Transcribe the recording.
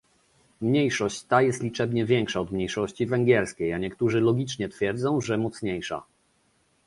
Mniejszość ta jest liczebnie większa od mniejszości węgierskiej, a niektórzy logicznie twierdzą, że mocniejsza